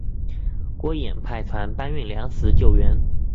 郭衍派船搬运粮食救援。